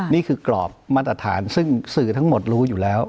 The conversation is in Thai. นี่คือกรอบมาตรฐานซึ่งสื่อทั้งหมดรู้อยู่แล้ว